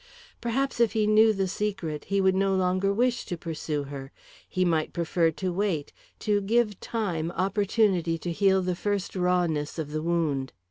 Perhaps if he knew the secret, he would no longer wish to pursue her; he might prefer to wait, to give time opportunity to heal the first rawness of the wound.